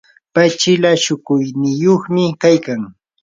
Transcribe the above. pay chila shukuyniyuqmi kaykan.